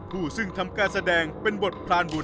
ผู้ซึ่งทำการแสดงเป็นบทพรานบุญ